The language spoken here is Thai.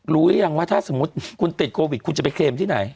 รู้หรือยังว่าถ้าสมมุติคุณติดโควิดคุณจะไปเคลมที่ไหน